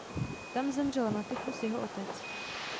Tam zemřel na tyfus jeho otec.